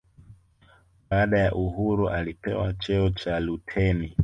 baada ya uhuru alipewa cheo cha luteni